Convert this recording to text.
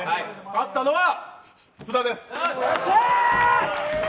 勝ったのは津田です。